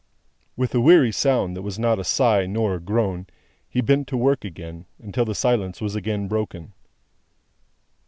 With a weary sound that was not a sigh, nor a groan, he bent to work again, until the silence was again broken.